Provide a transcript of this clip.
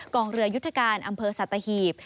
กองเรือยุทธการอำเภอสัตหีบ